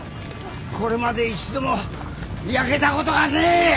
これまで一度も焼けたことがねえ！